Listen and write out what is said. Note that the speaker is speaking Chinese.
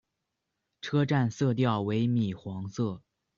车站色调为米黄色。